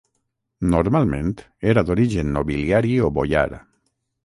Normalment era d'origen nobiliari o boiar.